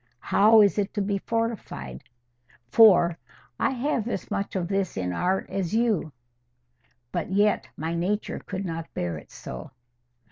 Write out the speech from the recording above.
How is it to be fortified? For, 'I have as much of this in art as you, But yet my nature could not bear it so.